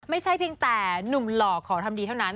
ไม่ใช่เพียงแต่หนุ่มหล่อขอทำดีเท่านั้น